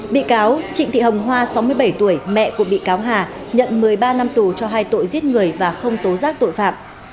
bị cáo trịnh thị hồng hoa sáu mươi bảy tuổi mẹ của bị cáo hà nhận một mươi ba năm tù cho hai tội giết người và không tố giác tội phạm